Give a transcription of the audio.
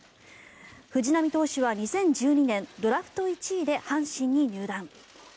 藤浪投手は２０１２年ドラフト１位で阪神に入団。